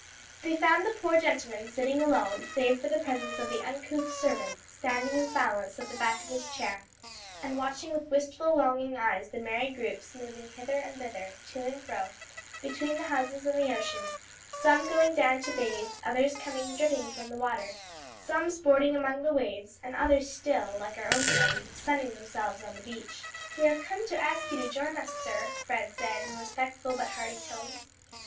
They found the poor old gentleman sitting alone, save for the presence of the uncouth servant standing in silence at the back of his chair, and watching with wistful, longing eyes the merry groups moving hither and thither, to and fro, between the houses and the ocean, some going down to bathe, others coming dripping from the water, some sporting among the waves, and others still, like our own party, sunning themselves on the beach. "We have come to ask you to join us, sir," Fred said in respectful but hearty tones.